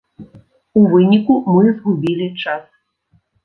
У выніку мы згубілі час.